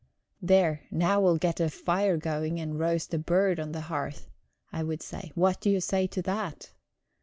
"There, now we'll get a fire going, and roast a bird on the hearth," I would say; "what do you say to that?"